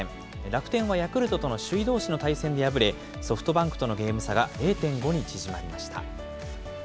楽天はヤクルトとの首位どうしの対戦に敗れ、ソフトバンクとのゲーム差が０．５に縮まりました。